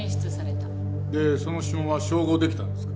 でその指紋は照合できたんですか？